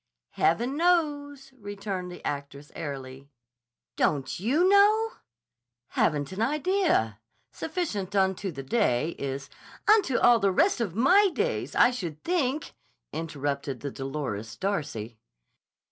"Heaven knows!" returned the actress airily. "Don't __you know?" "Haven't an idea. Sufficient unto the day is—" "Unto all the rest of my days, I should think," interrupted the dolorous Darcy.